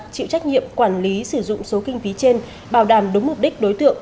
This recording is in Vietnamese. chịu trách nhiệm quản lý sử dụng số kinh phí trên bảo đảm đúng mục đích đối tượng